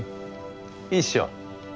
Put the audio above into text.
いいっしょ！